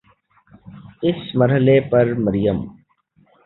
اس مرحلے پر مریم